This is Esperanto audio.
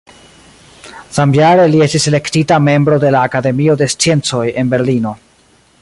Samjare li estis elektita membro de la Akademio de Sciencoj en Berlino.